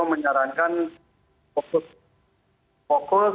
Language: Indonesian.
saya menyarankan fokus fokus